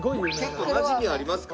結構なじみありますか？